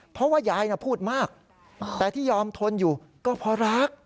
เพราะว่ายายน่ะพูดมากแต่ที่ยอมทนอยู่ก็เพราะรัก